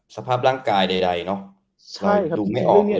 สภาพร่างกายใดต้องดูไม่ออก